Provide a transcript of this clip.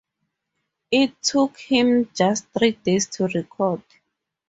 It took him just three days to record.